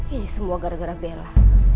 ini semua gara gara bela